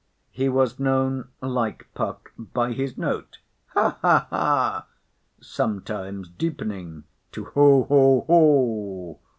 He was known, like Puck, by his note—Ha! Ha! Ha!—sometimes deepening to Ho! Ho! Ho!